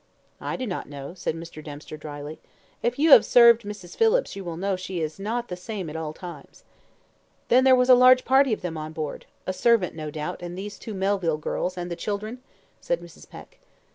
"I do not know," said Mr. Dempster, drily. "If you have served Mrs. Phillips you will know that she is not the same at all times." "Then there was a large party of them on board; a servant, no doubt, and these two Melville girls, and the children?" said Mrs. Peck.